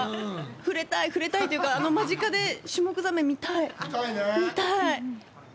触れたい、触れたいというか間近でシュモクザメ、見たい！